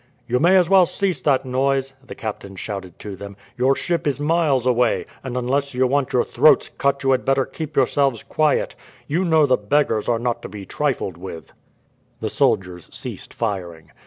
"You may as well cease that noise," the captain shouted to them. "Your ship is miles away; and unless you want your throats cut you had better keep yourselves quiet. You know the beggars are not to be trifled with." The soldiers ceased firing.